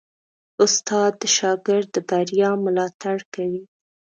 استاد د شاګرد د بریا ملاتړ کوي.